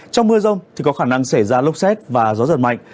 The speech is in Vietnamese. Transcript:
trong mưa rông thì có khả năng xảy ra lốc xét và gió giật mạnh